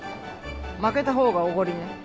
負けたほうがおごりね。